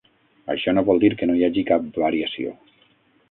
Això no vol dir que no hi hagi cap variació.